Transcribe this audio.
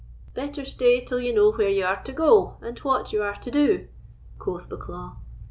"Better stay till you know where you are to go, and what you are to do," quoth Bucklaw.